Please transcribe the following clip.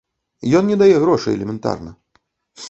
Ён не дае грошай элементарна.